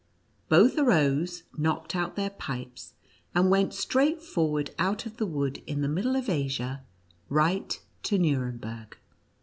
Both arose, knocked out their pipes, and went straightforward out of the wood in the middle of Asia, right to Nuremburg.